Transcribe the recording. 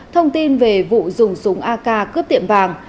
thông tin về vụ dùng súng ak cướp tiệm vàng